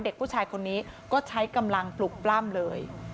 เด็กผู้ชายคนนี้ก็ใช้กำลังปลุกปล้ำเลย